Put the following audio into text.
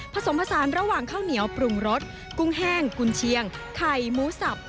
ผสมผสานระหว่างข้าวเหนียวปรุงรสกุ้งแห้งกุญเชียงไข่หมูสับ